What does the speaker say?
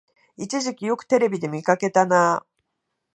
一時期よくテレビで見かけたなあ